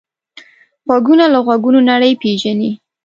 غوږونه له غږونو نړۍ پېژني